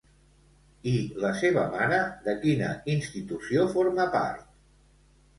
I la seva mare de quina institució forma part?